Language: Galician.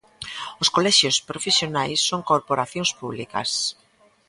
Os colexios profesionais son corporacións públicas.